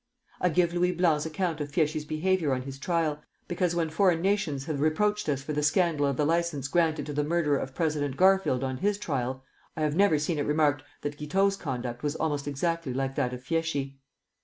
I give Louis Blanc's account of Fieschi's behavior on his trial, because when foreign nations have reproached us for the scandal of the license granted to the murderer of President Garfield on his trial, I have never seen it remarked that Guiteau's conduct was almost exactly like that of Fieschi.